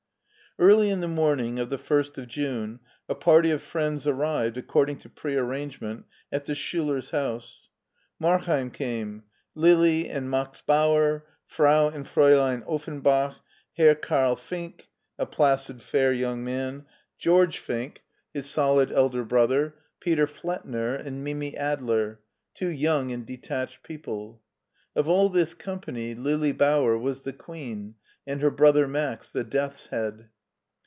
Early in the morning of the first of June a party of friends arrived, according to pre arrangement, at the Schulers' house. Markheim came, Lili and Max Bauer, Frau and Fraulein Offenbach, Herr Karl Fink I. placid, fair young mart — George Fink, his solid 42 MARTIN SCHULER elder brother, Peter Flettner, and Mimi Adler, two young and detached people. Of all this company, Lili Bauer was the queen and her brother Max the death's head.